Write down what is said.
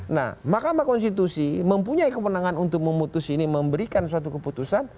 nah makamah konstitusi mempunyai kewenangan untuk memutus ini memberikan suatu keputusan